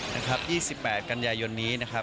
นะครับ๒๘กันยายนนี้นะครับ